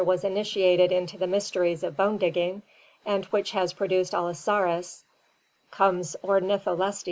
"V +u was initiated into the mysteries of bone digging, and which has produced Allosaurus, comes Ornitholestes (Fig.